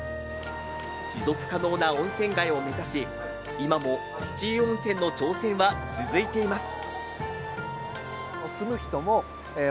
持続可能な温泉街を目指し今も土湯温泉の挑戦は続いています。